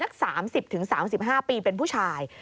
ทั้ง๓๐ถึง๓๕ปีเป็นผู้ชาย